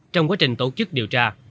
trong quá trình tổ chức điều tra